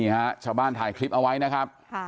ฮะชาวบ้านถ่ายคลิปเอาไว้นะครับ